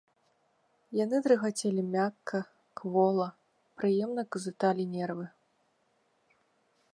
Яны дрыгацелі мякка, квола, прыемна казыталі нервы.